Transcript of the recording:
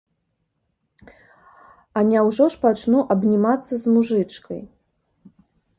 А няўжо ж пачну абнімацца з мужычкай?